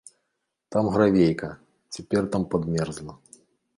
Там гравейка, цяпер там падмерзла.